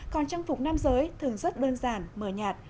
còn trang phục nam giới thường rất đơn giản mờ nhạt